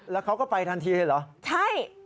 แล้วเขาก็ไปทันทีเลยเหรอใช่